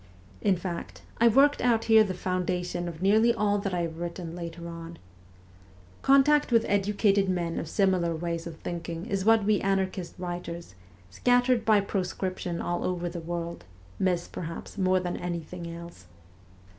In fact, I worked out here the foundation of nearly all that I have written later on. Contact with educated men of similar ways of thinking is what we anarchist writers, scattered by proscription all over the world, miss, per haps, more than anything else.